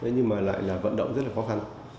nhưng mà lại là vận động rất là khó khăn